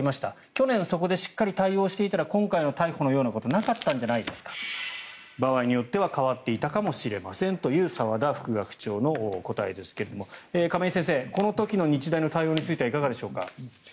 去年そこでしっかり対応していたら今回の逮捕のようなことはなかったんじゃないですか？場合によっては変わっていたかもしれませんという澤田副学長の答えですが亀井先生この時の日大の対応についてはいかがでしょうか。